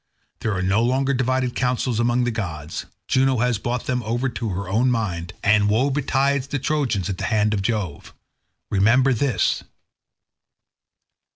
There are no longer divided counsels among the gods; Juno has brought them over to her own mind, and woe betides the Trojans at the hands of Jove. Remember this.